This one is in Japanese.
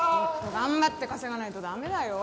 頑張って稼がないとダメだよ。